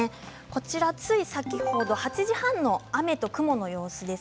こちらつい先ほど８時半の雨と雲の様子です。